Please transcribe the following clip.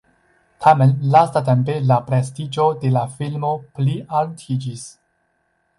Tamen lastatempe la prestiĝo de la filmo plialtiĝis.